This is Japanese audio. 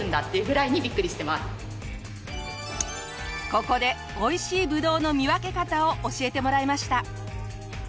ここでおいしいぶどうの見分け方を教えてもらいました。